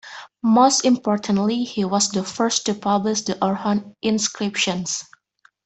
Most importantly, he was the first to publish the Orhon inscriptions.